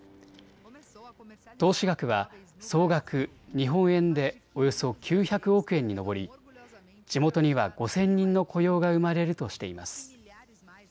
投資額は総額日本円でおよそ９００億円に上り地元には５０００人の雇用が生まれるとしています。